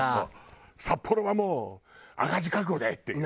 札幌はもう赤字覚悟でっていう。